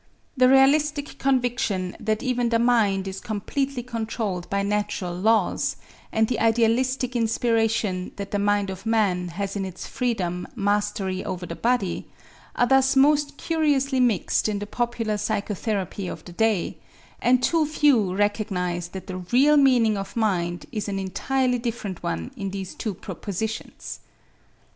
The realistic conviction that even the mind is completely controlled by natural laws and the idealistic inspiration that the mind of man has in its freedom mastery over the body, are thus most curiously mixed in the popular psychotherapy of the day, and too few recognize that the real meaning of mind is an entirely different one in these two propositions.